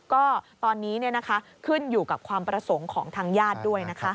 ก็ตอนนี้ขึ้นอยู่กับความประสงค์ของทางญาติด้วยนะคะ